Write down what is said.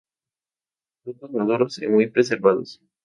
Frutos maduros y muy preservados.